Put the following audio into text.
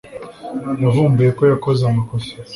Yavumbuye ko yakoze amakosa